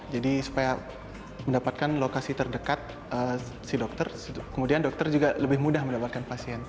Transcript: jadi supaya mendapatkan lokasi terdekat si dokter kemudian dokter juga lebih mudah mendapatkan pasien